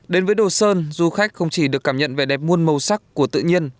đến với đồ sơn du khách không chỉ được cảm nhận vẻ đẹp muôn màu sắc của tự nhiên